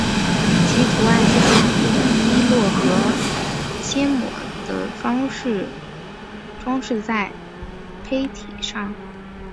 其图案是采用滴落和揩抹的方法装饰在坯体上。